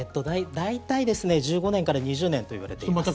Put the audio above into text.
大体、１５年から２０年といわれています。